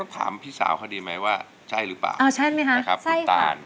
น้องต้องถามพี่สาวเขาดีไหมว่าใช่หรือเปล่านะครับคุณตานใช่ค่ะ